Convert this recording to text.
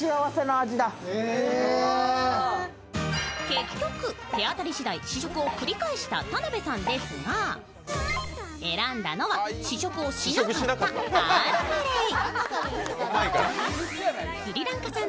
結局、手当たり次第試食を繰り返した田辺さんですが、選んだのは、試食をしなかったアールグレイ。